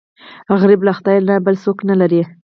غریب له خدای نه بل څوک نه لري